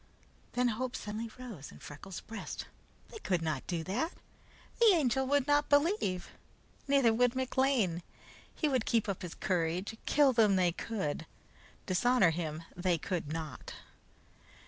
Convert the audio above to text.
Then hope suddenly rose high in Freckles' breast. They could not do that! The Angel would not believe. Neither would McLean. He would keep up his courage. Kill him they could; dishonor him they could not.